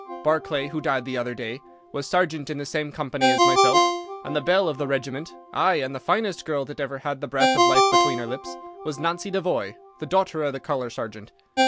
Barclay, who died the other day, was sergeant in the same company as myself, and the belle of the regiment, ay, and the finest girl that ever had the breath of life between her lips, was Nancy Devoy, the daughter of the colour sergeant.